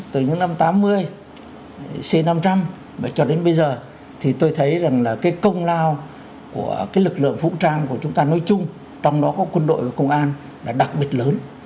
từ những năm tám mươi c năm trăm linh cho đến bây giờ thì tôi thấy rằng là cái công lao của lực lượng vũ trang của chúng ta nói chung trong đó có quân đội và công an là đặc biệt lớn